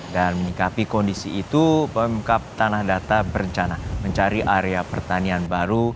dan menikapi kondisi itu pemkap tanah datar berencana mencari area pertanian baru